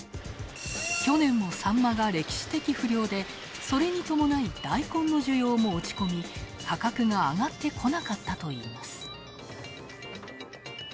去年もさんまが歴史的不漁でそれに伴いダイコンの需要も落ち込み、価格があがってこなかったといいます。